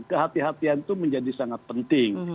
kehatian kehatian itu menjadi sangat penting